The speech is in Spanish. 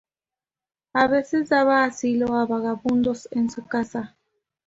A veces daba asilo a vagabundos en su casa.